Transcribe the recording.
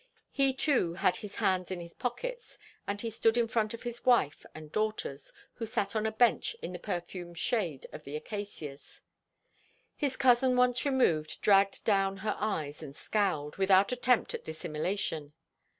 He, too, had his hands in his pockets, and he stood in front of his wife and daughters, who sat on a bench in the perfumed shade of the acacias. His cousin once removed dragged down her eyes and scowled, without attempt at dissimulation.